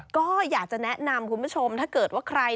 ก็อยากจะแนะนำคุณผู้ชมถ้าเกิดว่าใคร